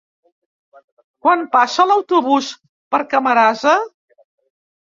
Quan passa l'autobús per Camarasa?